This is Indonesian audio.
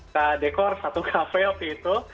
kita dekor satu kafe waktu itu